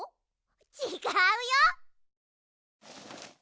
ちがうよ。